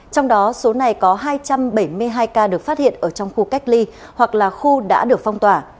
trong đó số này có hai trăm bảy mươi hai ca được phát hiện ở trong khu cách ly hoặc là khu đã được phong tỏa